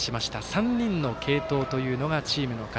３人の継投というのがチームの形。